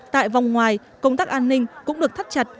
tại vòng ngoài công tác an ninh cũng được thắt chặt